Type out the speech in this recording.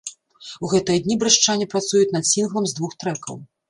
У гэтыя дні брэстчане працуюць над сінглам з двух трэкаў.